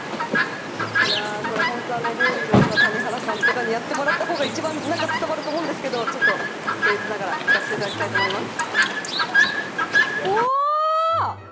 本当は料理上手な谷原さんとかにやってもらった方が一番伝わると思うんですけどせんえつながらいかせていただきます。